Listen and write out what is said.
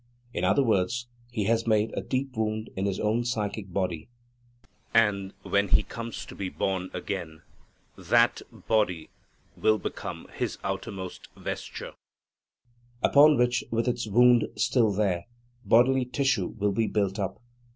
In other words he has made a deep wound in his own psychic body; and, when he comes to be born again, that body will become his outermost vesture, upon which, with its wound still there, bodily tissue will be built up.